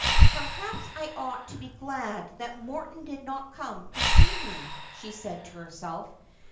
' Perhaps I ought to be glad that Morton did not come to see me,' she said to herself.